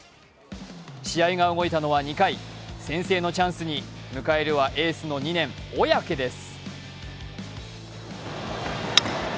試合が動いたのは２回先制のチャンスに迎えるは２年のエース・小宅です。